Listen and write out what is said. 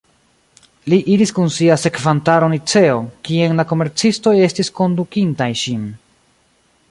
Li iris kun sia sekvantaro Niceon, kien la komercistoj estis kondukintaj ŝin.